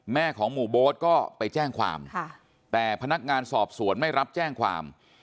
ของหมู่โบ๊ทก็ไปแจ้งความแต่พนักงานสอบสวนไม่รับแจ้งความ